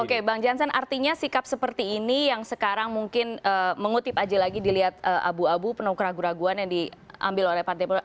oke bang jansen artinya sikap seperti ini yang sekarang mungkin mengutip aja lagi dilihat abu abu penuh keraguan keraguan yang diambil oleh partai politik